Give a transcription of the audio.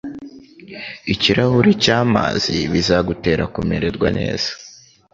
Ikirahuri cyamazi bizagutera kumererwa neza.